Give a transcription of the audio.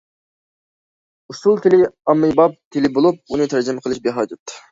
ئۇسسۇل تىلى ئاممىباب تىل بولۇپ، ئۇنى تەرجىمە قىلىش بىھاجەت.